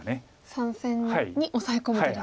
３線にオサエ込む手ですか。